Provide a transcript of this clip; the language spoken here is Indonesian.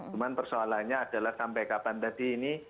cuma persoalannya adalah sampai kapan tadi ini